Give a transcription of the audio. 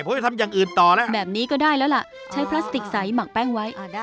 พ่อจะให้ทำอย่างอื่นต่อแล้ว